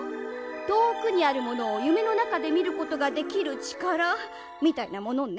とおくにあるものをゆめのなかでみることができるちからみたいなものね。